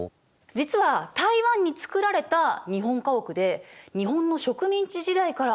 実は台湾に造られた日本家屋で日本の植民地時代からあるものなの。